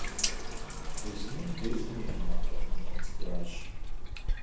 Безынэр безым иӏэ напӏэ кумбыгъэ цӏыкӏуращ.